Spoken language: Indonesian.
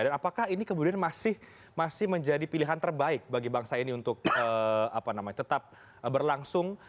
dan apakah ini kemudian masih menjadi pilihan terbaik bagi bangsa ini untuk tetap berlangsung